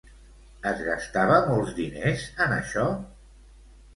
Es gastava molts diners en això?